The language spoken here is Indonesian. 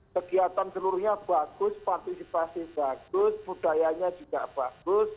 kegiatan seluruhnya bagus partisipasi bagus budayanya juga bagus